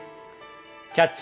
「キャッチ！